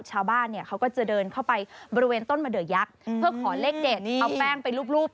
ชาวบ้านเนี่ยเขาก็จะเดินเข้าไปบริเวณต้นมะเดือยักษ์เพื่อขอเลขเด็ดเอาแป้งไปรูป